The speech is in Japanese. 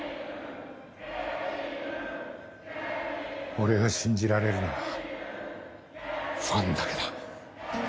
俺が信じられるのはファンだけだ。